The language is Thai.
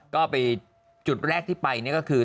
ก็ไปจุดแรกที่ไปนี่ก็คือ